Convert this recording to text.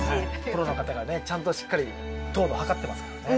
プロの方がねちゃんとしっかり糖度を測ってますからね。